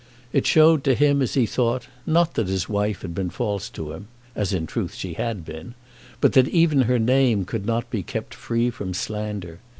It showed to him, as he thought, not that his wife had been false to him, as in truth she had been, but that even her name could not be kept free from slander.